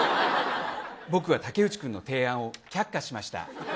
僕は武内君の提案を却下しました。